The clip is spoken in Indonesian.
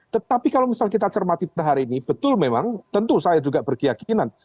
tetapi kalau misal kita cermati pada hari ini betul memang tentu saya juga berkeyakinan